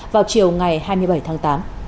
vào chiều ngày hai mươi bảy tháng tám